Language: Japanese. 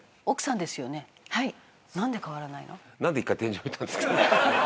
なんで一回天井見たんですか。